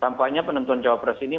tampaknya penentuan jawa press ini